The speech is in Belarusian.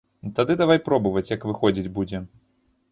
Тады давай пробаваць, як выходзіць будзе.